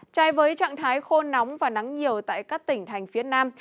trai với trạng thái khô nóng và nắng nhiều tại các tỉnh thành phía nam